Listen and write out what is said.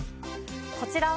こちらは。